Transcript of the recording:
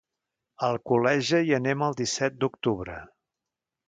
A Alcoleja hi anem el disset d'octubre.